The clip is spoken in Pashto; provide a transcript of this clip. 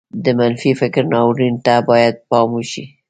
د منفي فکر ناورين ته بايد پام وشي.